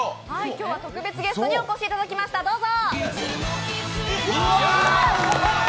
今日は特別ゲストにお越しいただきました、どうぞ！